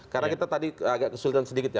karena kita tadi agak kesulitan sedikit ya